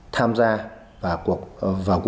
tham gia và cuộc đấu tranh tội phạm về ma túy